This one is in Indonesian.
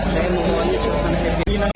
saya memohonnya suasana kebijakan